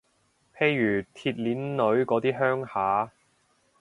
譬如鐵鍊女嗰啲鄉下